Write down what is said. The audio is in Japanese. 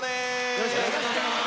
よろしくお願いします。